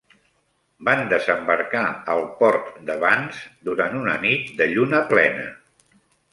Van desembarcar al port de Vannes durant una nit de lluna plena.